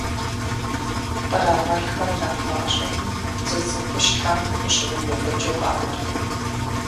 Кърагъэлхэр нэхъ мащӀэми, зы цӀыхущхьэм ущымыгуфӀыкӀыу къанэркъым.